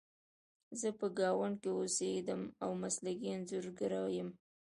زه په ګاونډ کې اوسیدم او مسلکي انځورګره یم